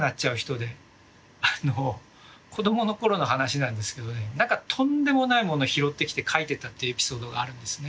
子供の頃の話なんですけどね何かとんでもないものを拾ってきて描いてたっていうエピソードがあるんですね。